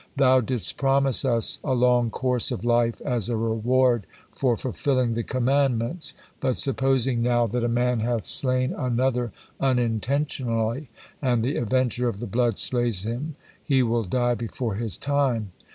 Thou didst promise us a long course of life as a reward for fulfilling the commandments, but supposing now that a man hath slain another unintentionally, and the avenger of the blood slays him, he will die before his time."